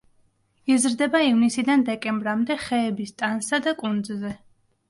იზრდება ივნისიდან დეკემბრამდე ხეების ტანსა და კუნძზე.